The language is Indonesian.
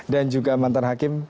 dan juga mantan hakim